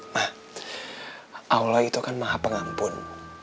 nah allah itu kan maha pengampun